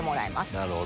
なるほど。